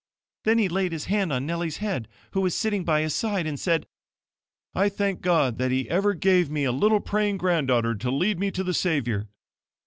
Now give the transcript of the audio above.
Then he laid his hand on Nellie's head, who was sitting by his side, and said: 'I thank God that he ever gave me a little praying granddaughter to lead me to the Savior.'